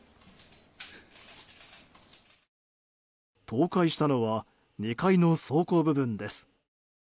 倒壊したのは２階の倉庫部分です。